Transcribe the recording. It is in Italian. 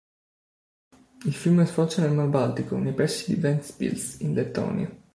Il fiume sfocia nel Mar Baltico, nei pressi di Ventspils, in Lettonia.